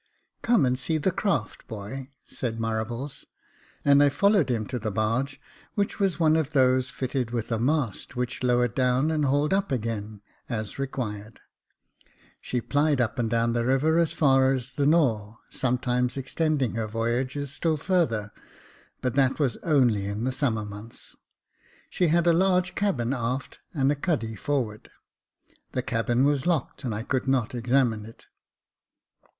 " Come and see the craft, boy," said Marables ; and I followed him to the barge, which was one of those fitted with a mast which lowered down and hauled up again, as required. She plied up and down the river as far as the Nore, sometimes extending her voyage still farther ; but that was only in the summer months. She had a large cabin abaft and a cuddy forward. The cabin was locked, and I could not examine it.